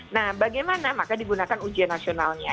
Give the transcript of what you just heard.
nah bagaimana maka digunakan ujian nasionalnya